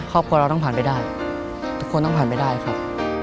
ครอบครัวเราต้องผ่านไปได้ทุกคนต้องผ่านไปได้ครับ